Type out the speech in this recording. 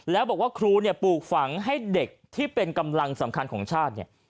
แล้วบอกว่าครูเนี่ยปลูกฝังให้เด็กที่เป็นกำลังสำคัญของชาติเนี่ย